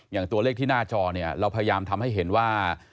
อย่างตัวเลขที่หน้าจอเนี่ยเราพยายามทำให้เห็นว่า